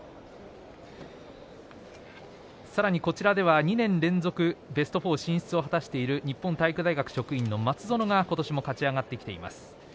さらにこちらでは２年連続ベスト４進出を果たしている日本体育大学職員の松園が今年も勝ち上がってきています。